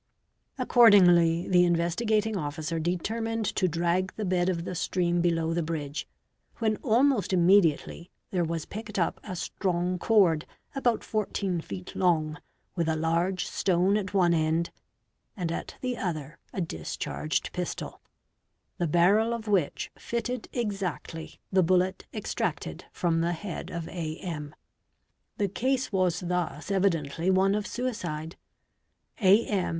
Accordingly the Investigating Officer determined to drag the bed of the stream below the bridge, when almos immediately there was picked up a strong cord about 14 feet long with large stone at one end and at the other a discharged pistol, the barr of which fitted exactly the bullet extracted from the head of A. The case was thus evidently one of suicide; A.M.